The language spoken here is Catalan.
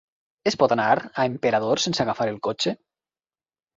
Es pot anar a Emperador sense agafar el cotxe?